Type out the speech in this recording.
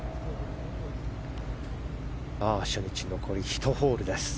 初日、残り１ホールです。